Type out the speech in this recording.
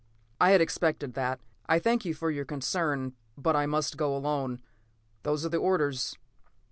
"I had expected that. I thank you for your concern, but I must go alone. Those are the orders.